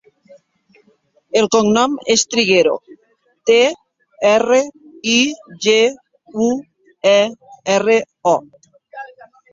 El cognom és Triguero: te, erra, i, ge, u, e, erra, o.